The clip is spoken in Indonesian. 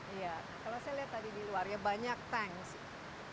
iya kalau saya lihat tadi di luar ya banyak tank sih